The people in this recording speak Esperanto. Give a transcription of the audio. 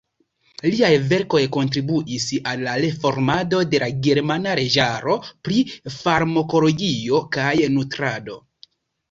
Liaj verkoj kontribuis al la reformado de la germana leĝaro pri farmakologio kaj nutrado.